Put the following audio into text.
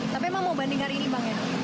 tapi emang mau banding hari ini bang ya